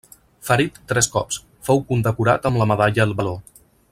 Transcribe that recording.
Ferit tres cops, fou condecorat amb la medalla al valor.